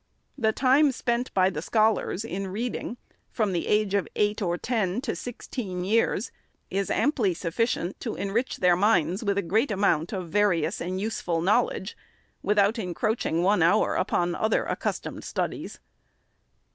The time spent by the scholars in reading, from the age of eight or ten to sixteen years, is amply sufficient to enrich their minds with a great amount of various and useful knowledge, without encroaching one hour upon other accustomed studies.